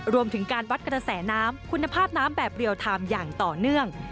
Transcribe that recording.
รวมถึงการวัดกระแสน้ำคุณภาพน้ำแบบเรียลไทม์อย่างต่อเนื่อง